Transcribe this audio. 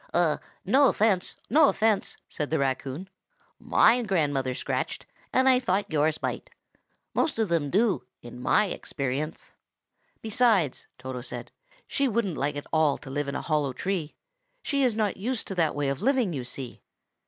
"No offence, no offence," said the raccoon. "My grandmother scratched, and I thought yours might. Most of them do, in my experience." "Besides," Toto went on, "she wouldn't like at all to live in a hollow tree. She is not used to that way of living, you see.